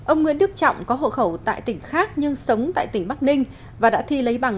ông nguyễn đức trọng có hộ khẩu tại tỉnh khác nhưng sống tại tỉnh bắc ninh và đã thi lấy bằng